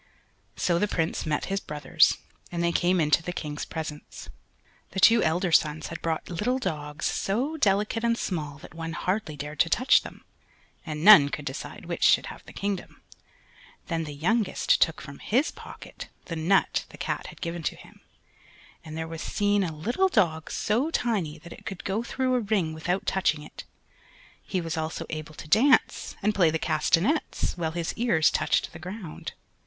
So the Prince met his brothers, and they came into the King's presence. The two elder sons had brought little dogs so delicate and small that one hardly dared to touch them, and none could decide which should have the kingdom. Then the youngest took from his pocket the nut the Cat had given to him, and there was seen a little dog so tiny that it could go through a ring without touching it; he was also able to dance, and play the castanets, while his ears touched the ground.